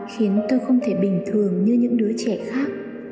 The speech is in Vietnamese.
khiến tôi không thể bình thường như những đứa trẻ khác